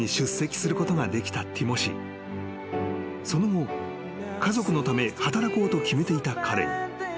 ［その後家族のため働こうと決めていた彼に］